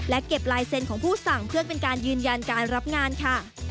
เก็บลายเซ็นต์ของผู้สั่งเพื่อเป็นการยืนยันการรับงานค่ะ